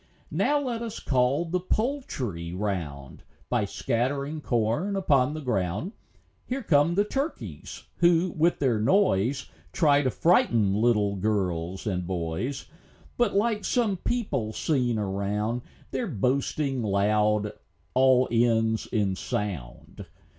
Now let us call the poultry round, By scattering corn upon the ground. Here come the turkeys, who, with their noise, Try to frighten little girls and boys; But, like some people seen around, Their boasting loud all ends in sound.